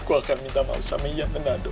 gue akan minta maaf sama ian dan dado